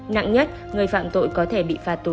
nặng nhất người phạm tội có thể bị phạt tù